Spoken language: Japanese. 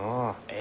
え？